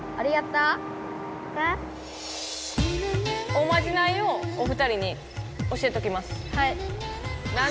おまじないをお２人に教えときます。